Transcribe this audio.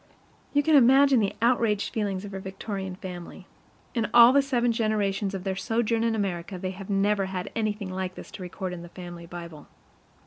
You can imagine the outraged feelings of her Victorian family. In all the seven generations of their sojourn in America they have never had anything like this to record in the family Bible.